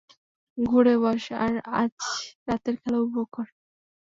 ঘুরে বস আর আজ রাতের খেলা উপভোগ কর।